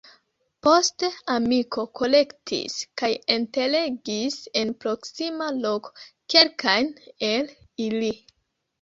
Poste amiko kolektis kaj enterigis en proksima loko kelkajn el ili.